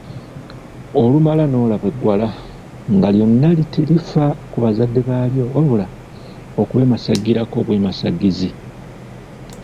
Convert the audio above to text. Olumala n'olaba eggwala nga lyonna terifa ku bazadde baalyo wabula okubeemasaggirako obwemasaggizi!